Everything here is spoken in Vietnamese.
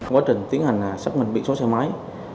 quá trình tiến hành xác minh biển số xe máy